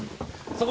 そこ。